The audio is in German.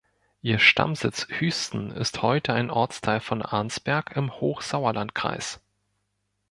Ihr Stammsitz Hüsten ist heute ein Ortsteil von Arnsberg im Hochsauerlandkreis.